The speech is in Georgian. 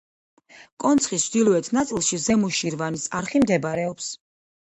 კონცხის ჩრდილოეთ ნაწილში, ზემო შირვანის არხი მდებარეობს.